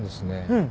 うん。